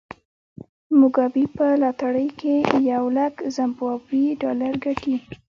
موګابي په لاټرۍ کې یو لک زیمبابويي ډالر ګټي.